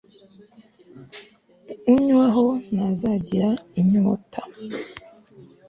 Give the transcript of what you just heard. unywaho ntazagira inyota